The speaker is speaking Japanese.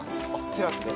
テラスで？